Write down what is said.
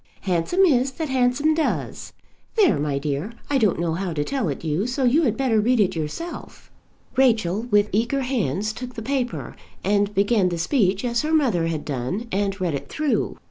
Handsome is that handsome does. There, my dear; I don't know how to tell it you, so you had better read it yourself." Rachel with eager hands took the paper, and began the speech as her mother had done, and read it through.